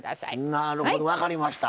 なるほど分かりました。